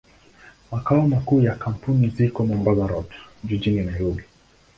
Makao makuu ya kampuni ziko Mombasa Road, jijini Nairobi.